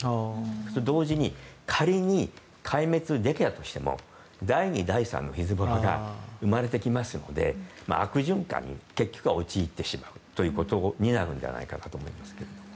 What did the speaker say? それと同時に仮に壊滅できたとしても第２、第３のヒズボラが生まれてきますので結局は悪循環に陥ってしまうということになるのではないかと思います。